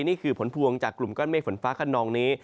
นี่คือผลพวงจากกลุ่มก้อนเมฆฝนฟ้าขนองนี้